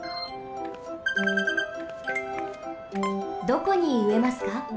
どこにうえますか？